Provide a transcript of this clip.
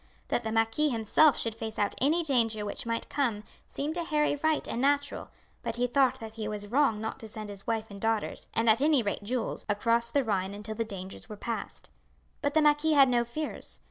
That the marquis himself should face out any danger which might come seemed to Harry right and natural; but he thought that he was wrong not to send his wife and daughters, and at any rate Jules, across the Rhine until the dangers were passed. But the marquis had no fears.